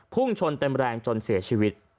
พุ่งชนเต็มแรงจนเสียชีวิต